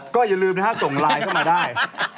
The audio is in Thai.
ก็อย่าลืมนะฮะส่งไลน์เข้ามาได้